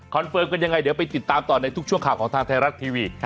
เฟิร์มกันยังไงเดี๋ยวไปติดตามต่อในทุกช่วงข่าวของทางไทยรัฐทีวี